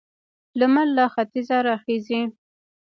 لمر له ختیځه راخيژي.